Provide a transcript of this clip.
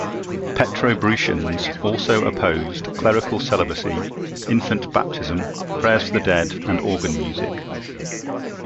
Petrobrusians also opposed clerical celibacy, infant baptism, prayers for the dead, and organ music.